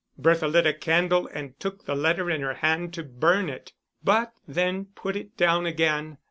Bertha lit a candle and took the letter in her hand to burn it, but then put it down again.